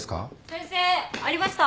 先生ありました。